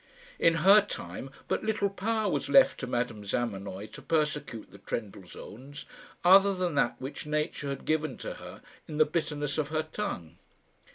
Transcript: In her time but little power was left to Madame Zamenoy to persecute the Trendellsohns other than that which nature had given to her in the bitterness of her tongue.